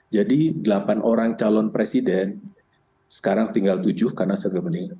jadi delapan orang calon presiden sekarang tinggal tujuh karena segera meninggal